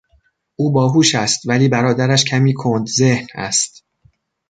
او باهوش است ولی برادرش کمی کند ذهن است.